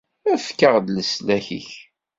Efk-aɣ-d leslak-ik!